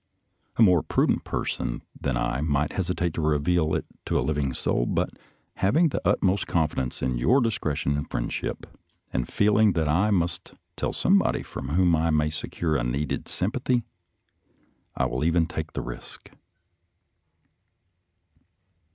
A more pru dent person than I might hesitate to reveal it to a living soul, but having the utmost confidence in your discretion and friendship, and feeling that I must tell somebody from whom I may secure a needed sympathy, I will even take the risk.